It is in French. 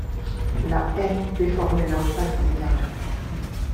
La haine déformait leurs faces écarlates.